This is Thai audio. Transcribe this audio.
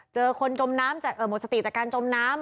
เจอคนจมน้ำหมดสติจากการจมน้ำ